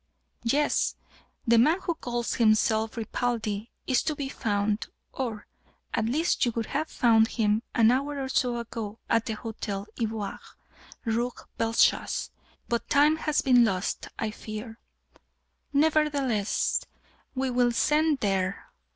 "Yes. The man who calls himself Ripaldi is to be found or, at least, you would have found him an hour or so ago at the Hotel Ivoire, Rue Bellechasse. But time has been lost, I fear." "Nevertheless, we will send there."